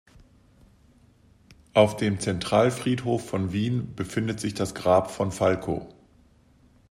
Auf dem Zentralfriedhof von Wien befindet sich das Grab von Falco.